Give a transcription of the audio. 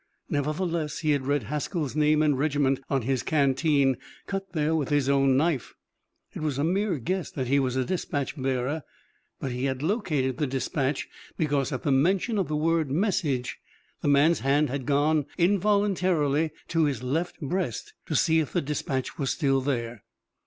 Nevertheless he had read Haskell's name and regiment on his canteen, cut there with his own knife. It was a mere guess that he was a dispatch bearer, but he had located the dispatch, because at the mention of the word "message" the man's hand had involuntarily gone to his left breast to see if the dispatch were still there.